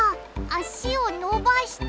あしをのばした！